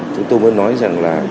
chúng tôi mới nói rằng là